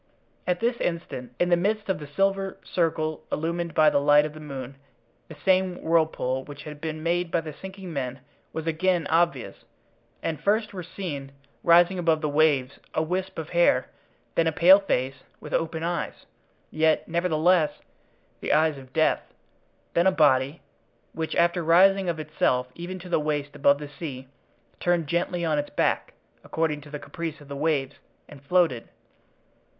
At this instant, in the midst of the silver circle illumined by the light of the moon the same whirlpool which had been made by the sinking men was again obvious, and first were seen, rising above the waves, a wisp of hair, then a pale face with open eyes, yet, nevertheless, the eyes of death; then a body, which, after rising of itself even to the waist above the sea, turned gently on its back, according to the caprice of the waves, and floated.